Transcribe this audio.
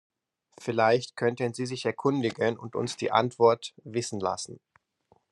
Vielleicht könnten Sie sich erkundigen und uns die Antwort wissen lassen.